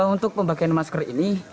untuk pembagian masker ini